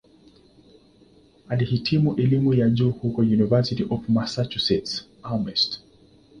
Alihitimu elimu ya juu huko "University of Massachusetts-Amherst".